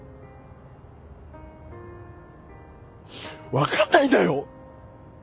分かんないんだよ。